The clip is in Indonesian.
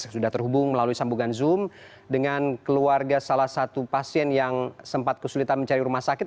sudah terhubung melalui sambungan zoom dengan keluarga salah satu pasien yang sempat kesulitan mencari rumah sakit